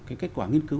cái kết quả nghiên cứu